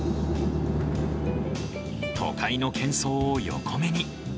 都会のけん噪を横目に。